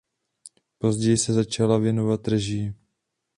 Později se začala věnovat režii.